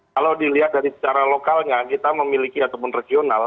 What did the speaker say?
kalau dilihat dari secara lokalnya kita memiliki ataupun regional